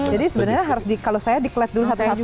jadi sebenarnya harus kalau saya di cleat dulu satu satu